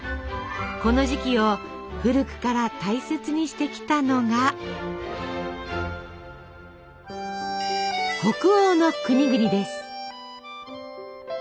この時期を古くから大切にしてきたのが北欧の国々です。